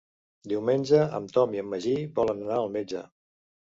Diumenge en Tom i en Magí volen anar al metge.